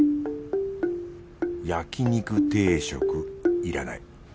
焼肉定食いらない。